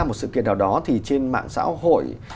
một sự kiện nào đó thì trên mạng xã hội